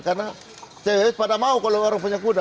karena ceyo yoyot pada mau kalau orang punya kuda